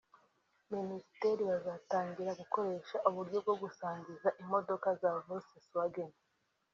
Minisiteri bazatangira gukoresha uburyo bwo gusangira imodoka za Volkswagen